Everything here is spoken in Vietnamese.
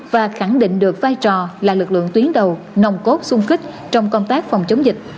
và khẳng định được vai trò là lực lượng tuyến đầu nồng cốt sung kích trong công tác phòng chống dịch